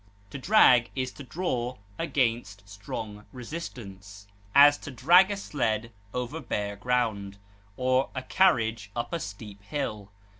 To drag is to draw against strong resistance; as, to drag a sled over bare ground, or a carriage up a steep hill.